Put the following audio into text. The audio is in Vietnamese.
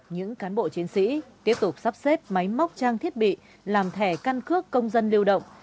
những cán bộ chiến sĩ tiếp tục sắp xếp máy móc trang thiết bị làm thẻ căn cước công dân lưu động